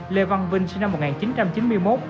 lê văn vinh sinh năm một nghìn chín trăm chín mươi một